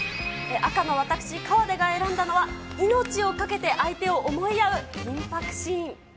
赤の私、河出が選んだのは、命を懸けて相手を思い合う緊迫シーン。